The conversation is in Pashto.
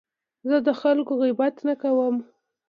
زه د خلکو غیبت نه کوم.